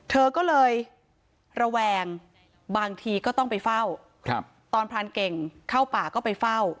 เธอก็เลยระแวงบางทีก็ต้องไปเฝ้าตอนพรานเก่งเข้าป่าก็ไปเฝ้า